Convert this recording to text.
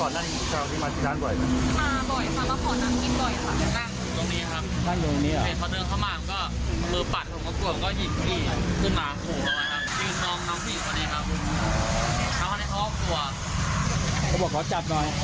แล้วก็เดินหนีออกมา